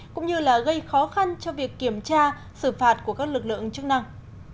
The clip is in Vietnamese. cũng như gây khó khăn cho việc kiểm tra xử phạt của các lực lượng chức năng